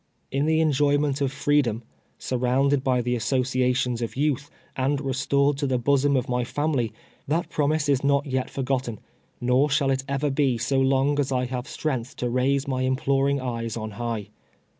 In the enjoyment of 'freedom — surrounded by the associations of youth, and restored to the bosom of my family — that prom ise is not yet forgotten, noi shall it ever be so long as I have strength to raise my imploring eyes on high.